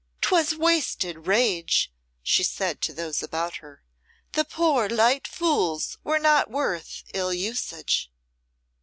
"'Twas wasted rage," she said to those about her. "The poor light fools were not worth ill usage."